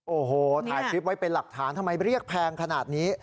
โอ้โหถ่ายคลิปไว้เป็นหลักฐานทำไมเรียกแพงขนาดนี้